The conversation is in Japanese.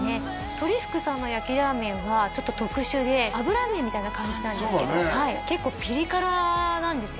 とり福さんの焼ラーメンはちょっと特殊で油麺みたいな感じなんですけどそうだね結構ピリ辛なんですよ